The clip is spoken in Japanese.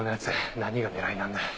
何が狙いなんだ。